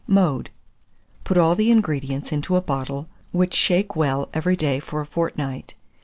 Mode. Put all the ingredients into a bottle, which shake well every day for a fortnight.